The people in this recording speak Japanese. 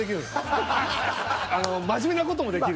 真面目な事もできるし。